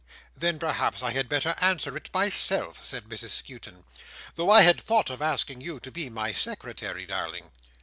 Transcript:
"Then perhaps I had better answer it myself," said Mrs Skewton, "though I had thought of asking you to be my secretary, darling."